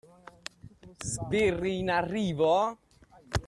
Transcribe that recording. Sbirri in arrivo?